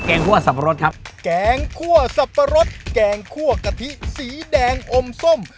งคั่วสับปะรดครับแกงคั่วสับปะรดแกงคั่วกะทิสีแดงอมส้ม